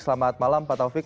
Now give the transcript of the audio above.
selamat malam pak taufik